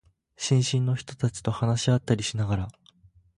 新進の人たちと話し合ったりしながら、